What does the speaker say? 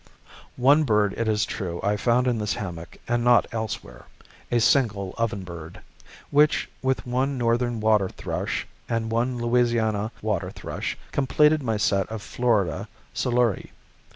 One bird, it is true, I found in this hammock, and not elsewhere: a single oven bird, which, with one Northern water thrush and one Louisiana water thrush, completed my set of Florida Seiuri.